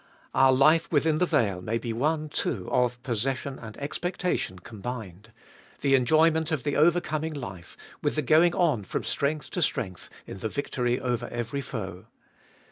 Our life within the veil may be one too of possession and expectation combined ; the enjoy ment of the overcoming life, with the going on from strength to strength in the victory over every foe.